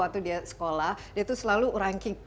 waktu dia sekolah dia tuh selalu ranking